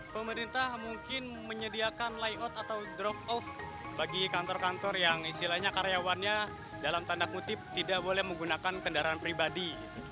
pemerintah mungkin menyediakan layout atau drop off bagi kantor kantor yang istilahnya karyawannya dalam tanda kutip tidak boleh menggunakan kendaraan pribadi